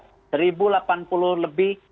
rp satu delapan puluh triliun lebih